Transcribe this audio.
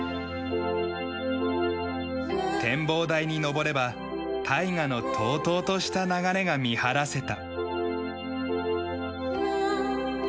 展望台に昇れば大河の滔々とした流れが見晴らせた。